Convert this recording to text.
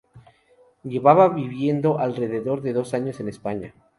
Llevaba viviendo alrededor de dos años en España.